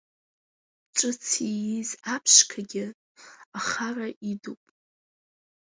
Ҿыц ииз аԥшқагьы ахара идуп.